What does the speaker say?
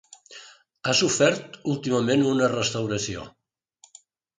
Ha sofert últimament una restauració.